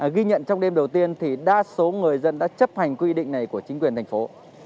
ghi nhận trong đêm đầu tiên thì đa số người dân đã chấp hành quy định này của chính quyền thành phố